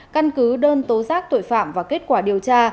căn cứ đơn tố giác tội phạm và kết quả điều tra